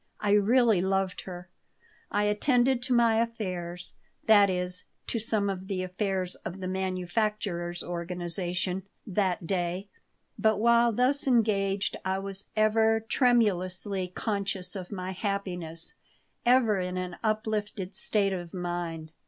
I really loved her I attended to my affairs (that is, to some of the affairs of the Manufacturers' Organization) that day; but while thus engaged I was ever tremulously conscious of my happiness, ever in an uplifted state of mind.